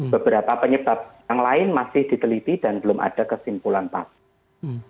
beberapa penyebab yang lain masih diteliti dan belum ada kesimpulan pasti